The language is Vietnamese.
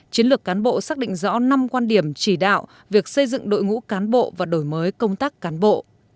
chiến lược cán bộ xác định rõ năm quan điểm chỉ đạo việc xây dựng đội ngũ cán bộ và đổi mới công tác cán bộ